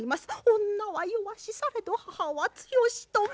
「女は弱しされど母は強し」と申。